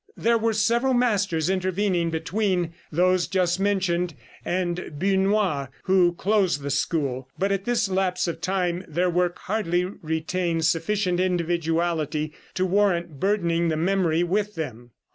There were several masters intervening between those just mentioned and Busnois, who closed the school, but at this lapse of time their work hardly retains sufficient individuality to warrant burdening the memory with them.